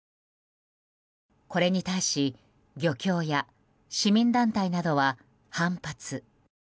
これに対し漁協や市民団体などは反発。